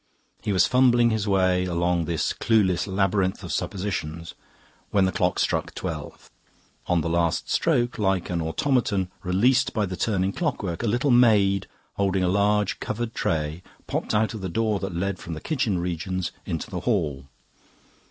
He was fumbling his way along this clueless labyrinth of suppositions when the clock struck twelve. On the last stroke, like an automaton released by the turning clockwork, a little maid, holding a large covered tray, popped out of the door that led from the kitchen regions into the hall.